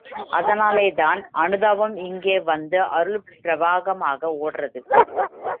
அதனாலேதான் அனுதாபம் இங்கே வந்து அருள் பிரவாகமாக ஓடறது!